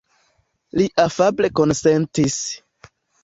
Li afable konsentis.